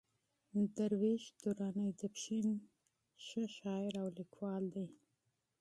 درویش درانی د پښين ښه شاعر او ليکوال دئ.